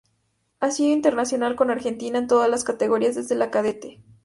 Ha sido internacional con Argentina en todas las categorías desde la cadete.